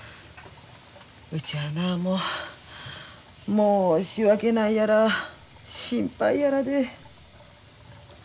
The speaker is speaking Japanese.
うちはなもう申し訳ないやら心配やらで。